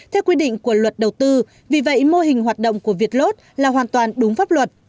theo quy định của luật đầu tư vì vậy mô hình hoạt động của việt lốt là hoàn toàn đúng pháp luật